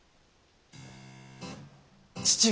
父上。